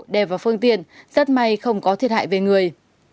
đè vào phương tiện rất may không có thiệt hại về người